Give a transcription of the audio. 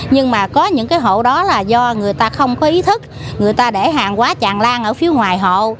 nhưng mà có những cái hộ đó là do người ta không có ý thức người ta để hàng quá tràn lan ở phía ngoài hộ